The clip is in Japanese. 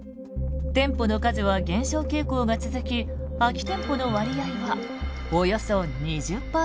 店舗の数は減少傾向が続き空き店舗の割合はおよそ２０％。